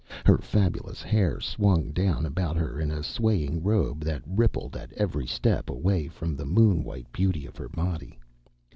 Her fabulous hair swung down about her in a swaying robe that rippled at every step away from the moon white beauty of her body.